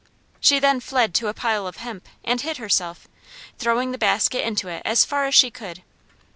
She then fled to a pile of hemp and hid herself, throwing the basket into it as far as she could.